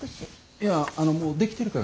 いやあのもう出来てるから。